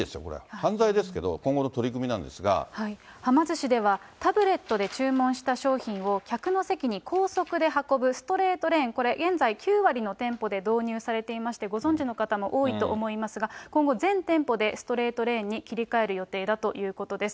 犯罪ですけれども、今後の取り組はま寿司では、タブレットで注文した商品を、客の席に高速で運ぶストレートレーン、これ、現在、９割の店舗で導入されていまして、ご存じの方も多いと思いますが、今後、全店舗でストレートレーンに切り替える予定だということです。